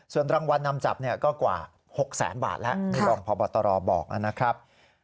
ส่วนรางวัลนำจับกว่า๖๐๐บาทรองพตรบอกนะครับ